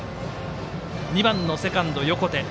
２番のセカンド、横手。